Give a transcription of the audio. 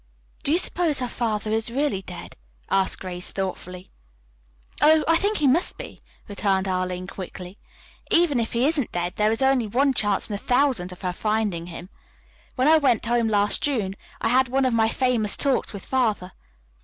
"Do you suppose her father is really dead?" asked Grace thoughtfully. "Oh, I think he must be," returned Arline quickly. "Even if he isn't dead, there is only one chance in a thousand of her finding him. When I went home last June I had one of my famous talks with Father.